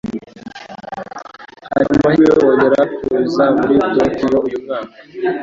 Hari amahirwe yo kongera kuza muri Tokiyo uyu mwaka